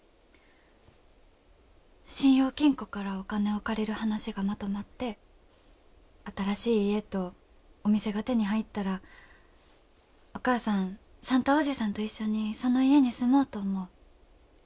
信用金庫からお金を借りる話がまとまって新しい家とお店が手に入ったらお母さん算太伯父さんと一緒にその家に住もうと思う。